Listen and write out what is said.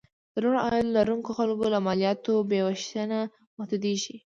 د لوړ عاید لرونکو خلکو له مالیاتو بیاوېشنه محدودېږي.